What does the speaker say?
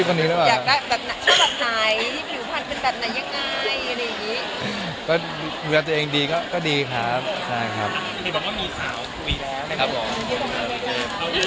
บอกว่ามีสาวคุยแล้วไม่ให้บอกว่าทำไมมีคนได้คุย